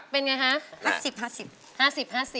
เป็นไงคะ